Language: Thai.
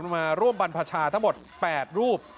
มาร่วมบรรพชาทั้งหมด๘รูป